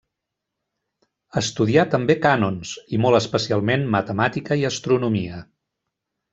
Estudià també cànons, i molt especialment matemàtica i astronomia.